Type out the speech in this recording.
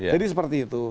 jadi seperti itu